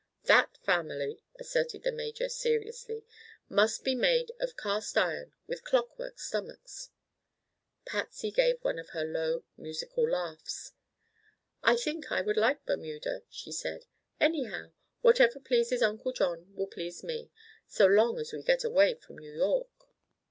"That family," asserted the major seriously, "must be made of cast iron, with clockwork stomachs." Patsy gave one of her low, musical laughs. "I think I would like Bermuda," she said. "Anyhow, whatever pleases Uncle John will please me, so long as we get away from New York."